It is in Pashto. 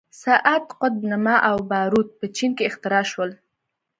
ساعت، قطب نما او باروت په چین کې اختراع شول.